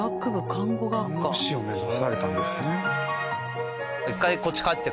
看護師を目指されたんですね。